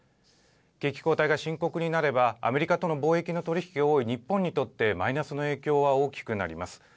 景気後退が深刻になればアメリカとの貿易の取り引きが多い日本にとってマイナスの影響は大きくなります。